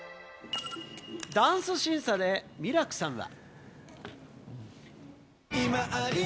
ダンス審査でミラクさんは。